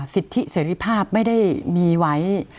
สิทธิเสรีภาพไม่ได้มีไว้